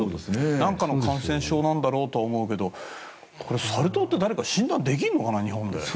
何かの感染症だとは思うけど、サル痘って診断できるのかな、日本で。